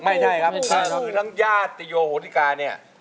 ไม่ใช่ครับนางญาติตะโยหทกาเนี่ย